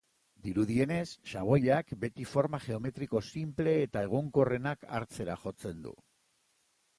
Dirudienez, xaboiak beti forma geometriko sinple eta egonkorrenak hartzera jotzen du.